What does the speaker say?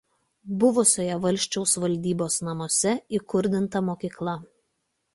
Buvusiuose valsčiaus valdybos namuose įkurdinta mokykla.